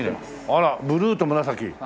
あらブルーと紫。